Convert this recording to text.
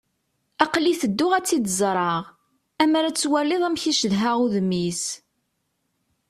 Aql-i tedduɣ ad tt-id-ẓreɣ. Ammer ad twaliḍ amek i cedhaɣ udem-is.